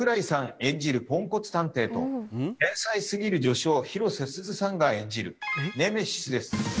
演じるポンコツ探偵と、天才すぎる助手を広瀬すずさんが演じる、ネメシスです。